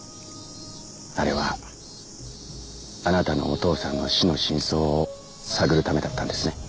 あれはあなたのお父さんの死の真相を探るためだったんですね。